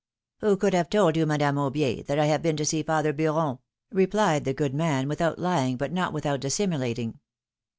^^ ^^Who could have told you, Madame Aubier, that I have been to see father Beuron?^^ replied the good man, without lying, but not without dissimulating.